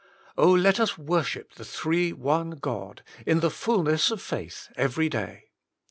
Oh ! let us worship the Three One God in the fulness of faith every day.